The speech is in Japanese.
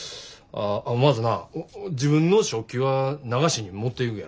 まずな自分の食器は流しに持っていくやろ。